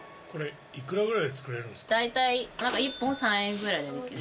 大体１本３円ぐらいでできる。